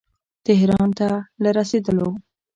تهران ته له رسېدلو.